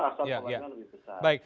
asal keuangan lebih besar ya ya baik